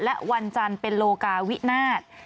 และวันจันทร์เป็นโลกาวินาศ